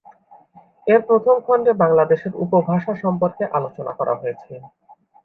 এর প্রথম খন্ডে বাংলাদেশের উপভাষা সম্পর্কে আলোচনা করা হয়েছে।